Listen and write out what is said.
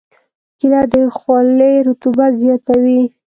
کېله د خولې رطوبت زیاتوي.